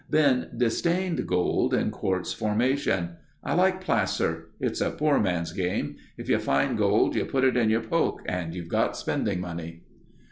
Ben disdained gold in quartz formation. "I like placer. It's a poor man's game. If you find gold you put it in your poke and you've got spending money."